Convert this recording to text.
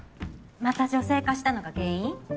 また女性化したのが原因？